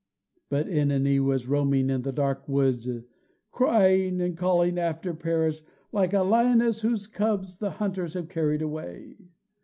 But OEnone was roaming in the dark woods, crying and calling after Paris, like a lioness whose cubs the hunters have carried away.